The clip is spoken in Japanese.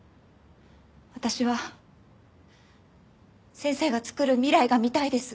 私は先生がつくる未来が見たいです。